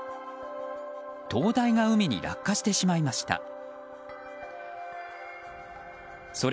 灯台が海に落下してしまいました。